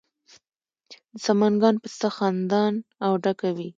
د سمنګان پسته خندان او ډکه وي.